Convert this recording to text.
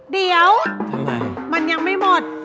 เดี๋ยวเป็นยังไม่หมด